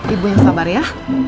ibu yang sabar ya